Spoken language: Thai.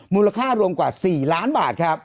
มูลค่ารวมกว่า๔ล้านบาทครับ